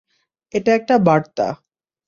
এটা একটা বার্তা।